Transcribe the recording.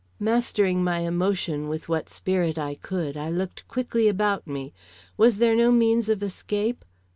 Mastering my emotion with what spirit I could, I looked quickly about me. Was there no means of escape?